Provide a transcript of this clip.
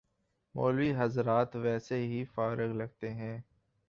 مولوی حضرات ویسے ہی فارغ لگتے ہیں۔